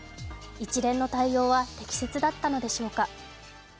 一連の対応は適切だったのでしょうか。